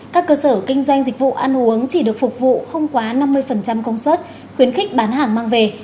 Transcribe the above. các cơ sở kinh doanh dịch vụ ăn uống chỉ được phục vụ không quá năm mươi công suất khuyến khích bán hàng mang về